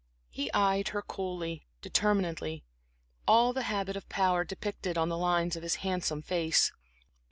He eyed her coolly, determinedly, all the habit of power depicted on the lines of his handsome face.